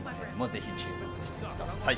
注目してください。